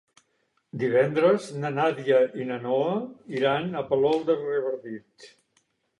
Divendres na Nàdia i na Noa iran a Palol de Revardit.